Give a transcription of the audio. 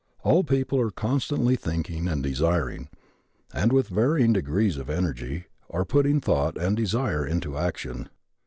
All people are constantly thinking and desiring and, with varying degrees of energy, are putting thought and desire into action.